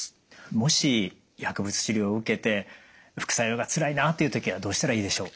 もし薬物治療を受けて副作用がつらいなっていう時はどうしたらいいでしょう？